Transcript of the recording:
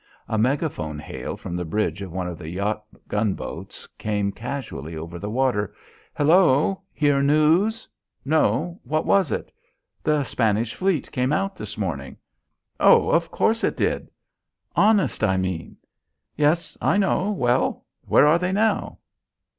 A megaphone hail from the bridge of one of the yacht gunboats came casually over the water. "Hello! hear the news?" "No; what was it?" "The Spanish fleet came out this morning." "Oh, of course, it did." "Honest, I mean." "Yes, I know; well, where are they now?"